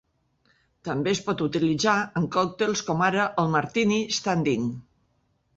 També es pot utilitzar en còctels como ara el "martini standing".